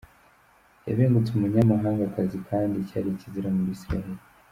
Yabengutse umunyamahangakazi, kandi cyari ikizira mu Isirayeli.